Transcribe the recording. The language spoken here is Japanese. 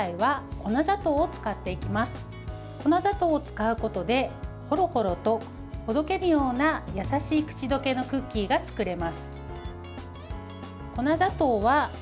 粉砂糖を使うことでほろほろとほどけるような優しい口どけのクッキーが作れます。